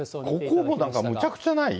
ここもなんかむちゃくちゃない？